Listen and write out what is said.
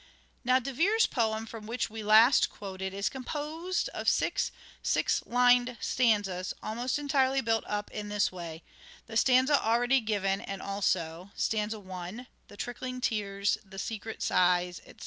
Now De Vere's poem from which we last quoted is composed of six six lined stanzas almost entirely built up in this way : the stanza already given and also : Stanza i :—" The trickling tears," " The secret sighs," etc.